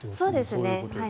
そうですね。